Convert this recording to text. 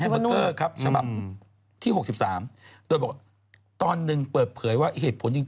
ไม่มีใครคิดเลยไม่นึกว่าเป็นชมเลย